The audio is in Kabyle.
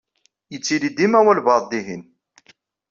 Yettili dima walebɛaḍ dihin.